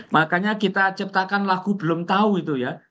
makanya kita ciptakan lagu belum tahu itu ya